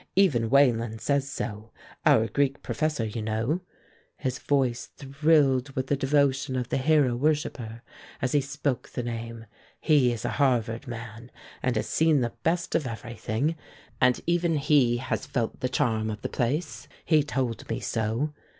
"Even Wayland says so, our Greek professor, you know." His voice thrilled with the devotion of the hero worshipper as he spoke the name. "He is a Harvard man, and has seen the best of everything, and even he has felt the charm of the place; he told me so.